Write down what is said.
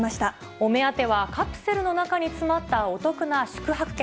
お目当てはカプセルの中に詰まったお得な宿泊券。